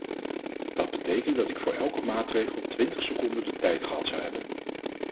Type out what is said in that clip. Dat betekent dat ik voor elke maatregel twintig seconden de tijd gehad zou hebben.